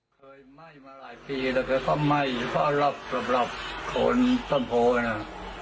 เคยไหม้มาหลายปีแต่ก็ไหม้เพราะรับรับรับคนต้นโพน่ะ